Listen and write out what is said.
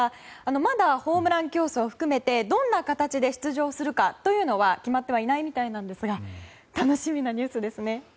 まだホームラン競争含めてどんな形で出場するかというのは決まっていないみたいなんですが楽しみなニュースですね。